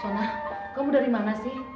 sonah kamu dari mana sih